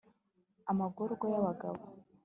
amagorwa y'abagabo